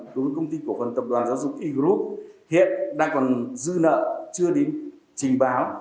đối với công ty cổ phần tập đoàn giáo dục e group hiện đang còn dư nợ chưa đến trình báo